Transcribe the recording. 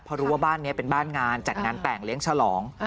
เพราะรู้ว่าบ้านนี้เป็นบ้านงานจัดงานแต่งเลี้ยงฉลอง